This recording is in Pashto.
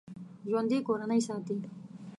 ژوندي کورنۍ ساتي